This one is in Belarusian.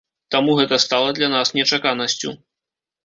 Таму гэта стала для нас нечаканасцю.